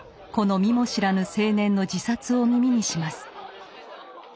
この見も知らぬ青年の自殺を耳にします。